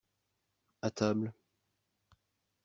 À table.